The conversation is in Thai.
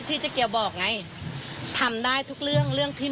มีความว่ายังไง